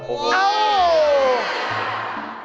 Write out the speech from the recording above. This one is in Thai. โอ้โห